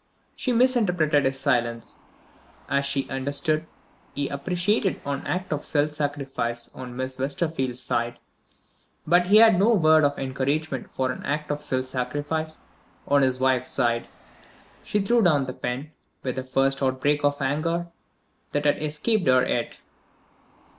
She misinterpreted his silence. As she understood it, he appreciated an act of self sacrifice on Miss Westerfield's side but he had no word of encouragement for an act of self sacrifice on his wife's side. She threw down the pen, with the first outbreak of anger that had escaped her yet.